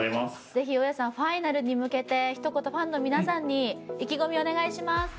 ぜひ大矢さんファイナルに向けて一言ファンの皆さんに意気込みお願いします